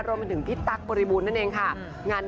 รวมถึงพี่ตั๊กปริบุญนั่นเองค่ะ